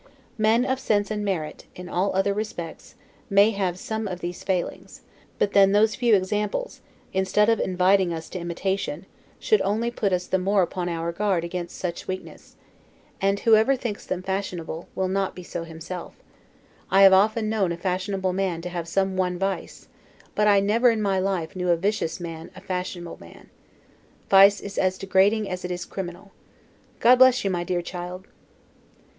Men of sense and merit, in all other respects, may have had some of these failings; but then those few examples, instead of inviting us to imitation, should only put us the more upon our guard against such weaknesses: and whoever thinks them fashionable, will not be so himself; I have often known a fashionable man have some one vice; but I never in my life knew a vicious man a fashionable man. Vice is as degrading as it is criminal. God bless you, my dear child!